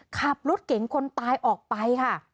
ขับรถเก่งคนตายออกไปค่ะ